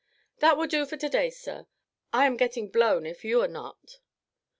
"That will do for today, sir; I am getting blown, if you are not.